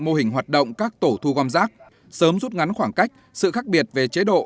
mô hình hoạt động các tổ thu gom rác sớm rút ngắn khoảng cách sự khác biệt về chế độ